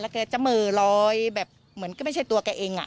แกจะเหม่อลอยแบบเหมือนก็ไม่ใช่ตัวแกเอง